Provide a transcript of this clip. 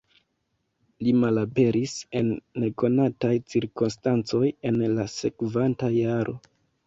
Li malaperis en nekonataj cirkonstancoj en la sekvanta jaro.